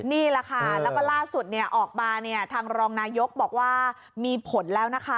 นี่แหละค่ะแล้วก็ล่าสุดออกมาเนี่ยทางรองนายกบอกว่ามีผลแล้วนะคะ